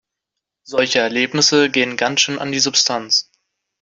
Solche Erlebnisse gehen ganz schön an die Substanz.